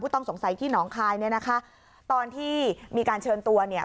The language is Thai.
ต้องสงสัยที่หนองคายเนี่ยนะคะตอนที่มีการเชิญตัวเนี่ย